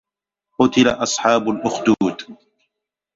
قُتِلَ أَصحابُ الأُخدودِ